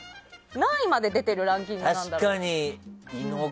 何位まで出ているランキングなんだろう。